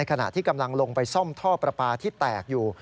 ขณะที่กำลังลงไปซ่อมท่อประปาที่แตกอยู่